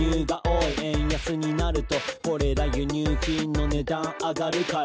「円安になるとこれら輸入品の値段上がるから」